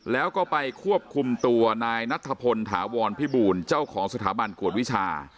แล้วก็ไปควบคุมตัวนายนัทพลถาวรพิบูลเจ้าของสถาบันกวดวิชา